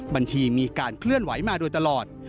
มีการเคลื่อนไหวมาโดยตลอด